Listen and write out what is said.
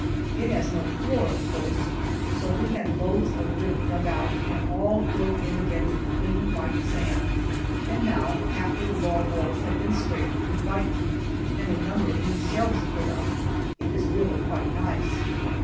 It has no floor, of course, so we had loads of dirt dug out and all filled in again with clean white sand, and now, after the log walls have been scraped and whitened, and a number of new shelves put up, it is really quite nice.